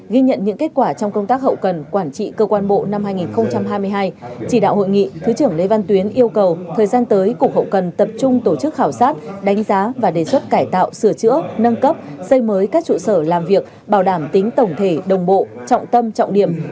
ghi nhận những kết quả trong công tác hậu cần quản trị cơ quan bộ năm hai nghìn hai mươi hai chỉ đạo hội nghị thứ trưởng lê văn tuyến yêu cầu thời gian tới cục hậu cần tập trung tổ chức khảo sát đánh giá và đề xuất cải tạo sửa chữa nâng cấp xây mới các trụ sở làm việc bảo đảm tính tổng thể đồng bộ trọng tâm trọng điểm